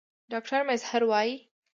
ډاکټر میزهر وايي